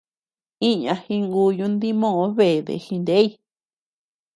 Iña jinguyu dimoʼö beede jiney.